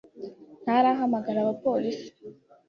ntarahamagara abapolisi.